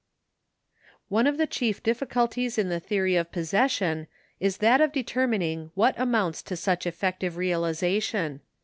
One of the chief difficulties in the theory of possession is that of determining what amounts to such effective realisa tion.